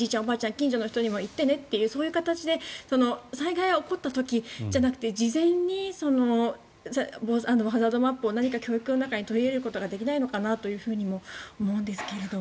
近所の人にも言ってねっていう形で災害が起こった時じゃなくて事前にハザードマップを何か教育の中に取り入れることができないのかなとも思うんですけども。